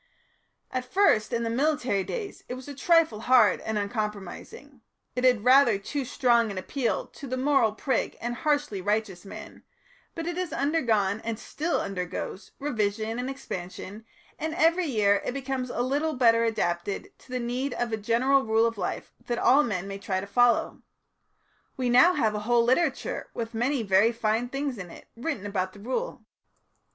At first, in the militant days, it was a trifle hard and uncompromising; it had rather too strong an appeal to the moral prig and harshly righteous man, but it has undergone, and still undergoes, revision and expansion, and every year it becomes a little better adapted to the need of a general rule of life that all men may try to follow. We have now a whole literature, with many very fine things in it, written about the Rule."